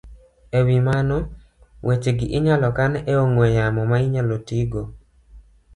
E wi mano, wechegi inyalo kan e ong'we yamo ma inyalo tigo